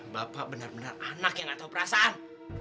bapak bener bener anak yang gak tau perasaan